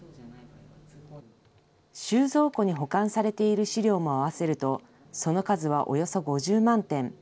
収蔵庫に保管されている資料も合わせると、その数はおよそ５０万点。